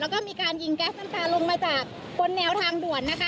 แล้วก็มีการยิงแก๊สตารงมาจากบนแนวทางด่วน